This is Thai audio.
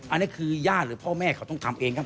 อันนี้คือญาติหรือพ่อแม่เขาต้องทำเองครับ